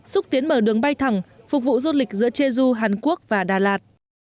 xúc tiến mở đường bay thẳng phục vụ du lịch giữa chê du hàn quốc và đà lạt